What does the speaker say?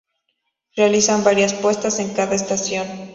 Realizan varias puestas en cada estación.